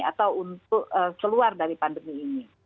atau untuk keluar dari pandemi ini